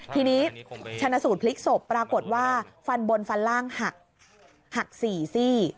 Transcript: ทีนี้ชนะสูตรพลิกศพปรากฏว่าฟันบนฟันล่างหักหัก๔ซี่